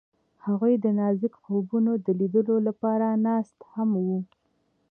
هغوی د نازک خوبونو د لیدلو لپاره ناست هم وو.